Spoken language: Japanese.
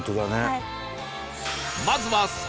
はい。